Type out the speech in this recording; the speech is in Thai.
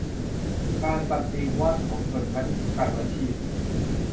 การปฏิวัติของชนชั้นกรรมาชีพ